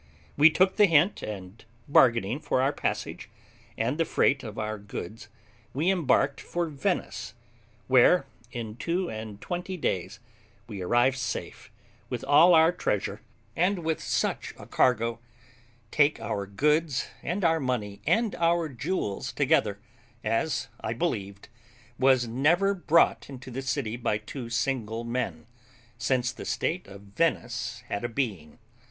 We took the hint, and bargaining for our passage, and the freight of our goods, we embarked for Venice, where, in two and twenty days, we arrived safe, with all our treasure, and with such a cargo, take our goods and our money and our jewels together, as, I believed, was never brought into the city by two single men, since the state of Venice had a being.